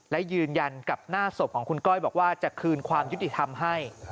และยืนยันกับหน้าศพของคุณก้อยบอกว่าจะคืนความยุติธรรมให้